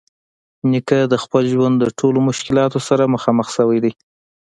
نیکه د خپل ژوند د ټولو مشکلاتو سره مخامخ شوی دی.